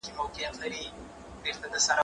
په ګړنګو و غروکې لاره جوړوله راته